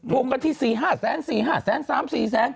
ถูกกันที่๔๕แสน๔๕แสน๓๔แสน